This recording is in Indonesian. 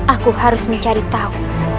aku harus mencari tahu